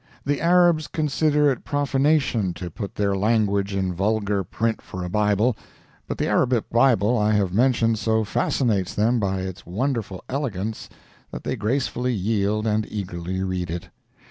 The Arabs consider it profanation to put their language in vulgar print for a Bible, but the Arabic Bible I have mentioned so fascinates them by its wonderful elegance that they gracefully yield and eagerly read it.